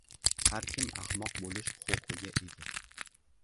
Har kim ahmoq bo‘lish huquqiga ega.